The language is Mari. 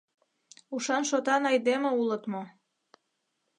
Ушан-шотан айдеме улыт мо?